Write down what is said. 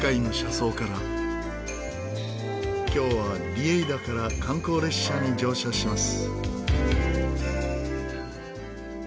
今日はリェイダから観光列車に乗車します。